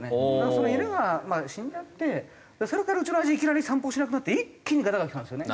その犬が死んじゃってそれからうちのおやじいきなり散歩しなくなって一気にガタがきたんですよね。